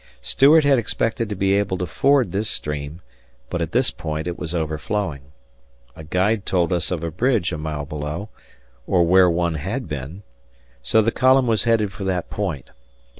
Stuart had expected to be able to ford this stream, but at this point it was overflowing. A guide told us of a bridge a mile below or where one had been so the column was headed for that point.